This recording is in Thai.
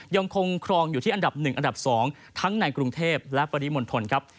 ยังคงครองอยู่ที่อันดับ๑อันดับ๒ทั้งในกรุงเทพและปริมณฑลครับ